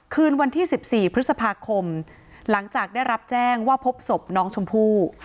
คืนวันที่๑๔พฤษภาคมหลังจากได้รับแจ้งว่าพบศพน้องชมพู่